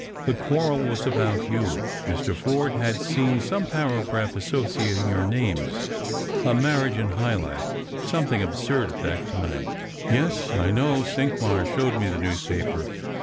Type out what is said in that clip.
The quarrel was about you. Mr. Forde had seen some paragraph associating your names — a marriage in high life — something absurd of that kind." "Yes, I know; Cinqmars showed me the newspaper.